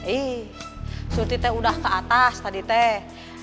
ih cuti teh udah ke atas tadi teh